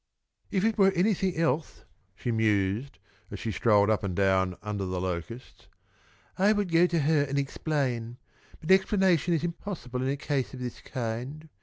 "If it were anything else," she mused, as she strolled up and down under the locusts, "I could go to her and explain. But explanation is impossible in a case of this kind.